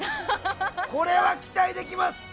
これは期待できます！